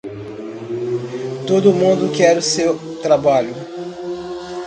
Todo mundo quer o seu trabalho.